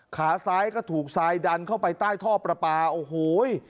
ขาซ้ายก็ถูกทรายดันเข้าไปใต้ท่อประปาโอ้โห